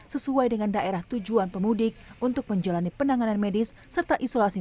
sesuai dengan daerah tujuan pemudik untuk menjalani penanganan medis serta isolasi